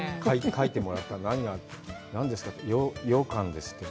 描いてもらった、何ですかって、ようかんですって。